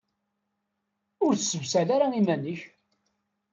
Ur ssebsal ara iman-ik!